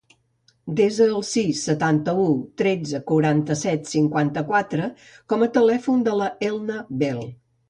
Desa el sis, setanta-u, tretze, quaranta-set, cinquanta-quatre com a telèfon de l'Elna Bel.